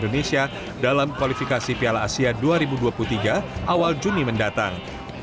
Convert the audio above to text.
indonesia dalam kualifikasi piala asia dua ribu dua puluh tiga awal juni mendatang